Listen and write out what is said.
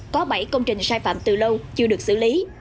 có bảy công trình sai phạm từ lâu chưa được xử lý